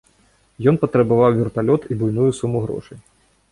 Ён патрабаваў верталёт і буйную суму грошай.